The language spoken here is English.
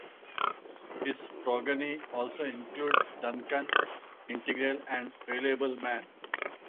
His progeny also include Duncan, Integral and Reliable Man.